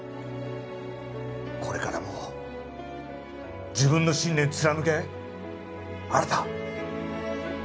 これからも自分の信念貫け新！